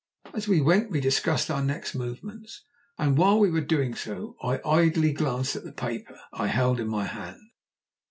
As we went we discussed our next movements, and while we were doing so I idly glanced at the paper I held in my hand.